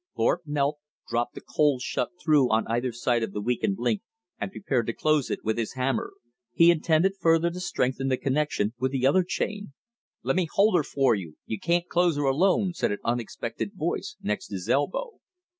Thorpe knelt, dropped the cold shut through on either side of the weakened link, and prepared to close it with his hammer. He intended further to strengthen the connection with the other chain. "Lem' me hold her for you. You can't close her alone," said an unexpected voice next his elbow.